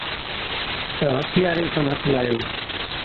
تہ ھٿياري کي ھَٿ لايو